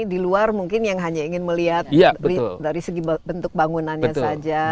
di luar mungkin yang hanya ingin melihat dari segi bentuk bangunannya saja